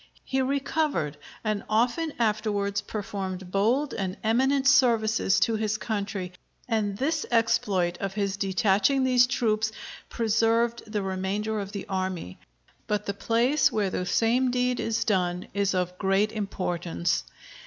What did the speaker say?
He recovered, and often afterwards performed bold and eminent services to his country; and this exploit of his detaching these troops preserved the remainder of the army. But the place where the same deed is done, is of great importance.